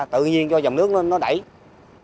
tự nhiên cho dòng nước nó đẩy gìn